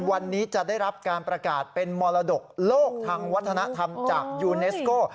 วันนี้จะได้รับการประกาศเป็นมรดกโลกทางวัฒนธรรมจากยูเนสโก้